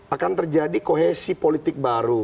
akan terjadi kohesi politik baru